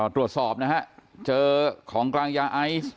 ตรวจสอบนะฮะเจอของกลางยาไอซ์